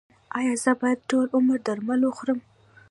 ایا زه باید ټول عمر درمل وخورم؟